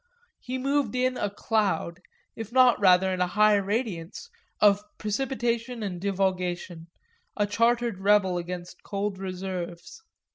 He moved in a cloud, if not rather in a high radiance, of precipitation and divulgation, a chartered rebel against cold reserves.